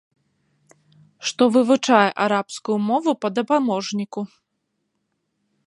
Што вывучае арабскую мову па дапаможніку.